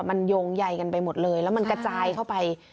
มันโยงใยกันไปหมดเลยแล้วมันกระจายเข้าไป